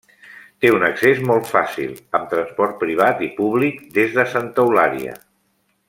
Té un accés molt fàcil, amb transport privat i públic des de Santa Eulària.